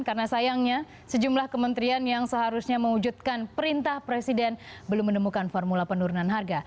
karena sayangnya sejumlah kementerian yang seharusnya mewujudkan perintah presiden belum menemukan formula penurunan harga